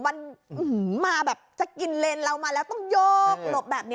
มันมาแบบจะกินเลนเรามาแล้วต้องโยกหลบแบบนี้